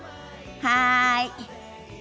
はい。